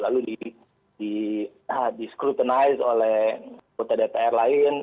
lalu di scrutinize oleh kota dpr lain